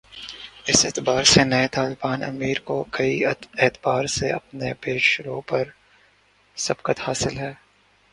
اس اعتبار سے نئے طالبان امیر کو کئی اعتبار سے اپنے پیش رو پر سبقت حاصل ہے۔